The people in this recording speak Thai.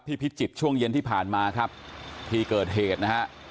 พิจิตรช่วงเย็นที่ผ่านมาครับที่เกิดเหตุนะฮะ